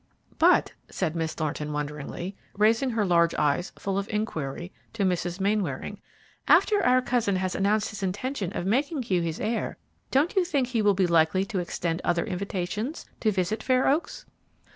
"But," said Miss Thornton, wonderingly, raising her large eyes, full of inquiry, to Mrs. Mainwaring, "after our cousin has announced his intention of making Hugh his heir, don't you think he will be likely to extend other invitations to visit Fair Oaks?"